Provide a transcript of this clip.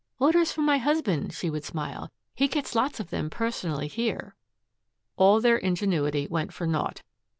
"Orders for my husband," she would smile. "He gets lots of them personally here." All their ingenuity went for naught.